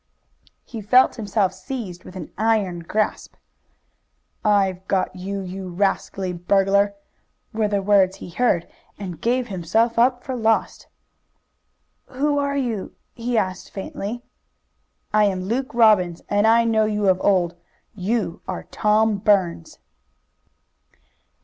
He felt himself seized with an iron grasp. "I've got you, you rascally burglar!" were the words he heard, and gave himself up for lost. "Who are you?" he asked faintly. "I am Luke Robbins, and I know you of old. You are Tom Burns!"